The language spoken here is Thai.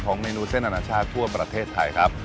เมนูเส้นอนาชาติทั่วประเทศไทยครับ